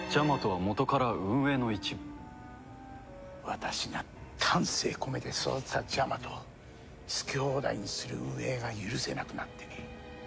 私が丹精込めて育てたジャマトを好き放題にする運営が許せなくなってね。